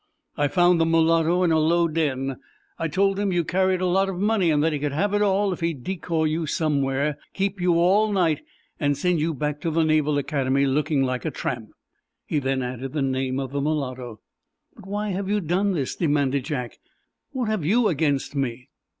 "I found the mulatto in a low den. I told him you carried a lot of money and that he could have it all if he'd decoy you somewhere, keep you all night, and send you back to the Naval Academy looking like a tramp." He then added the name of the mulatto. "But why have you done this?" demanded Jack. "What have you against me?"